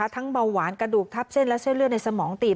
เบาหวานกระดูกทับเส้นและเส้นเลือดในสมองตีบ